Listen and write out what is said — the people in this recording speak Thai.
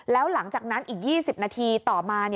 แล้วหลังจากนั้นอีก๒๐นาทีต่อมา